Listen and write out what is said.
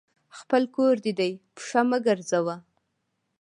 خپل کور دي دی ، پښه مه ګرځوه !